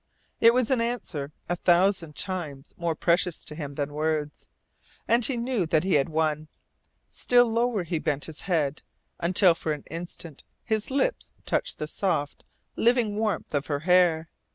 It was an answer a thousand times more precious to him than words, and he knew that he had won. Still lower he bent his head, until for an instant his lips touched the soft, living warmth of her hair.